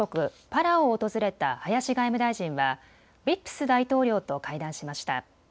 パラオを訪れた林外務大臣はウィップス大統領と会談しました。